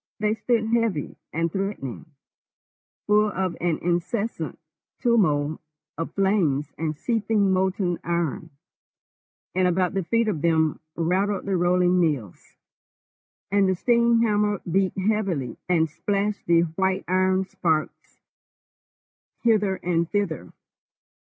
They stood heavy and threatening, full of an incessant turmoil of flames and seething molten iron, and about the feet of them rattled the rolling mills, and the steam hammer beat heavily and splashed the white iron sparks hither and thither.